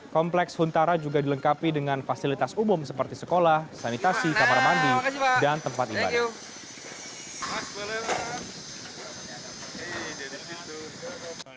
kompleks huntara juga dilengkapi dengan fasilitas umum seperti sekolah sanitasi kamar mandi dan tempat ibadah